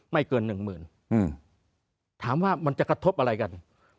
เกินหนึ่งหมื่นถามว่ามันจะกระทบอะไรกัน